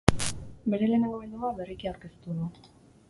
Bere lehenengo bilduma berriki aurkeztu du.